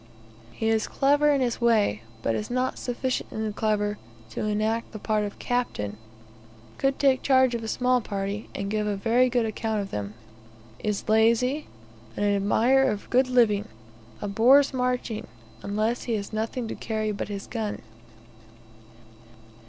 He is clever in his way, but is not sufficiently clever to enact the part of captain could take charge of a small party, and give a very good account of them. Is lazy, and an admirer of good living abhors marching, unless he has nothing to carry but his gun.